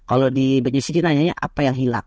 kalau di banyu siki nanya apa yang hilang